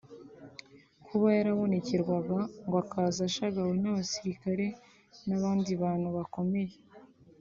Kuba yarabonekerwaga ngo akaza ashagawe n'abasilikari n'abandi bantu bakomeye